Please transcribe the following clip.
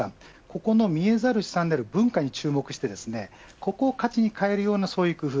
ここの見えざる資産である文化に注目してここを価値に変えるような工夫